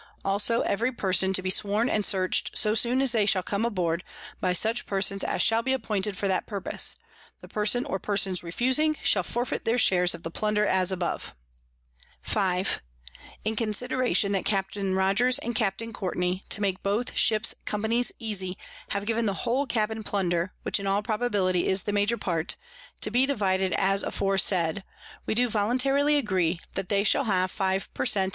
Also every Person to be sworn and search'd so soon as they shall come aboard, by such Persons as shall be appointed for that purpose: The Person or Persons refusing, shall forfeit their shares of the Plunder as above._ [Sidenote: In the Bay of St. Vincent.] 5. In consideration that Capt. Rogers and Capt. Courtney, _to make both Ships Companies easy, have given the whole Cabin Plunder (which in all probability is the major part) to be divided as aforesaid; we do voluntarily agree, that they shall have_ 5 _per Cent.